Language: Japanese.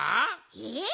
えっ！？